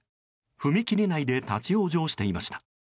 踏切内で立ち往生していました。